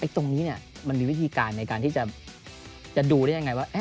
ตรงนี้มันมีวิธีการในการที่จะดูได้ยังไงว่า